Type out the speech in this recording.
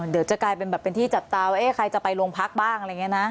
เดี๋ยวจะกลายเป็นแบบเป็นที่จับตาว่าเอ๊ะใครจะไปโรงพักบ้างอะไรอย่างนี้นะ